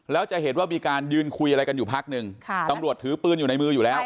แล้วจะเห็นว่ามีการยืนคุยอะไรกันอยู่พักหนึ่งตำรวจถือปืนอยู่ในมืออยู่แล้ว